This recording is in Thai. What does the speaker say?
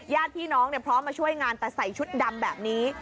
ญาติพี่น้องพร้อมมาช่วยงานแต่ใส่ชุดดำแบบนี้